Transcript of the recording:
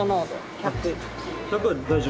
１００は大丈夫？